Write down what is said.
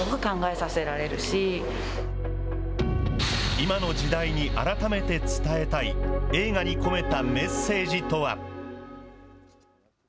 今の時代に改めて伝えたい、映画に込めたメッセージとは。